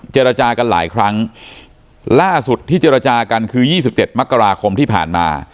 เจรจากันหลายครั้งล่าสุดที่เจรจากันคือยี่สิบเจ็ดมกราคมที่ผ่านมา